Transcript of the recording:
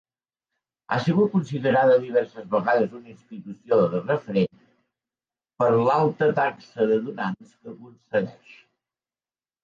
Ha sigut considerada diverses vegades una institució referent per l'alta taxa de donants que aconsegueix.